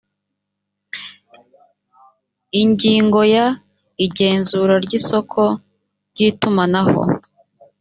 ingingo ya igenzura ry isoko ry itumanaho